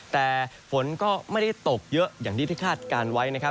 แต่ฝนก็ไม่ได้ตกเยอะอย่างที่ได้คาดการณ์ไว้นะครับ